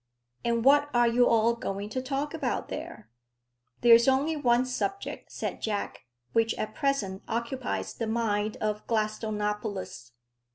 "And what are you all going to talk about there?" "There is only one subject," said Jack, "which at present occupies the mind of Gladstonopolis.